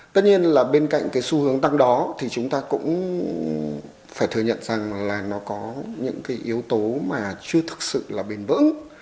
tất nhiên là bên cạnh cái xu hướng tăng đó thì chúng ta cũng phải thừa nhận rằng là nó có những cái yếu tố mà chưa thực sự là bền vững